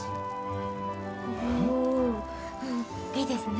おいいですね！